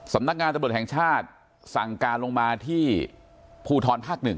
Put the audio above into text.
สำนักงานตำรวจแห่งชาติสั่งการลงมาที่ภูทรภาค๑